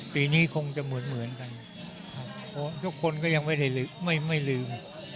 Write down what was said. ปีนี้คงจะเหมือนกันทุกคนก็ยังไม่ลืม